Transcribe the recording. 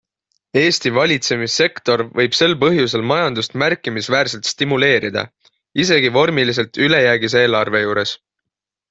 Eesti valitsemissektor võib sel põhjusel majandust märkimisväärselt stimuleerida isegi vormiliselt ülejäägis eelarve juures.